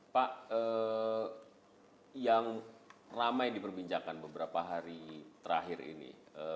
pak yang ramai diperbincangkan beberapa hari terakhir ini